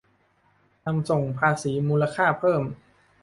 นำส่งภาษีมูลค่าเพิ่ม